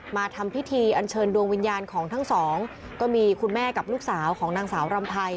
มาทำพิธีอันเชิญดวงวิญญาณของทั้งสองก็มีคุณแม่กับลูกสาวของนางสาวรำไพร